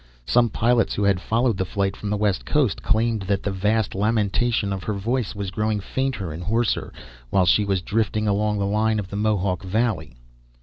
Some pilots who had followed the flight from the West Coast claimed that the vast lamentation of her voice was growing fainter and hoarser while she was drifting along the line of the Mohawk Valley.